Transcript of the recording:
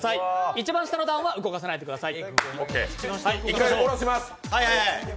一番下の段は動かさないでください。